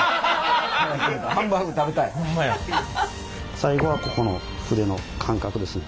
最後はここの筆の感覚ですね。